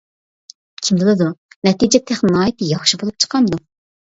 كىم بىلىدۇ، نەتىجە تېخى ناھايىتى ياخشى بولۇپ چىقامدۇ.